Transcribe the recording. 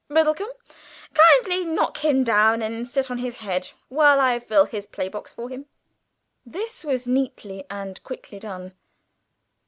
Biddlecomb, kindly knock him down, and sit on his head while I fill his playbox for him." This was neatly and quickly done.